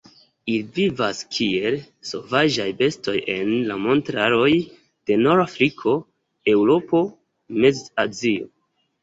Ili vivas kiel sovaĝaj bestoj en la montaroj de Nord-Afriko, Eŭropo, Mez-Azio.